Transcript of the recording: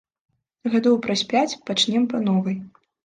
Гадоў праз пяць пачнём па новай.